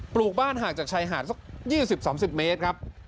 ลูกบ้านห่างจากชายหาดสัก๒๐๓๐เมตรครับ